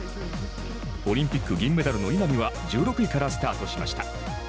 オリンピック銀メダルの稲見は１６位からスタートしました。